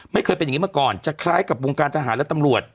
ไม่เคยเป็นอย่างนี้มาก่อนจะคล้ายกับวงการทหารและตำรวจ